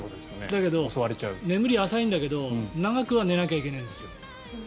だけど眠りが浅いんだけど長くは寝なきゃいけないんですよ。